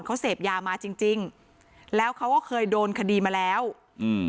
เขาเสพยามาจริงจริงแล้วเขาก็เคยโดนคดีมาแล้วอืม